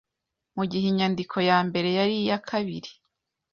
Mugihe inyandiko yambere yari iyakabiri